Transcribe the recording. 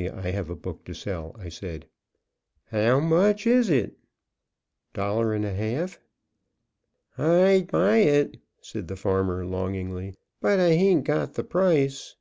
I have a book to sell," I said. "How much is it?" "Dollar and a half." "I'd buy it," said the farmer, longingly, "but I hain't got the price."